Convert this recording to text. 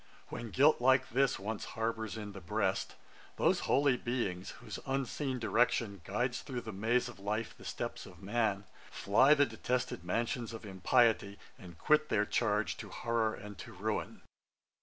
When guilt like this once harbours in the breast, Those holy beings, whose unseen direction Guides through the maze of life the steps of man, Fly the detested mansions of impiety, And quit their charge to horrour and to ruin.'